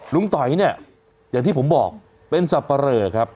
ลุ้งต๋อยแบบที่ผมบอกเป็นสัปเปอร์เรอครับ